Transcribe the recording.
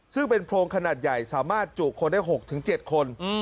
ซึ่งเป็นโพรงขนาดใหญ่สามารถจุคนได้๖๗คน